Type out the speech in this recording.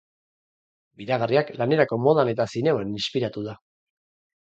Miragarriak lanerako modan eta zineman inspiratu da.